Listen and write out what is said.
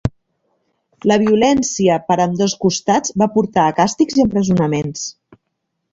La violència per ambdós costats va portar a càstigs i empresonaments.